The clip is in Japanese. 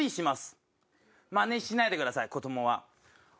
マネしないでください子供は。